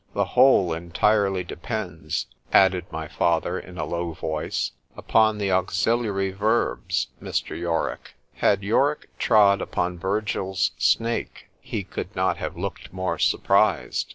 ——The whole entirely depends, added my father, in a low voice, upon the auxiliary verbs, Mr. Yorick. Had Yorick trod upon Virgil 's snake, he could not have looked more surprised.